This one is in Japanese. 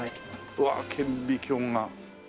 うわ顕微鏡が。